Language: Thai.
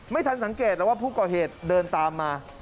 ไม่ทันสังเกตแล้วว่าผู้ก่อเหตุเดินตามมา